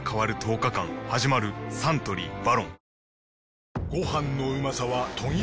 サントリー「ＶＡＲＯＮ」